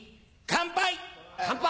乾杯！